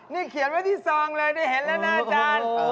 นี่เขียนไว้ที่ซองเลยได้เห็นแล้วนะอาจารย์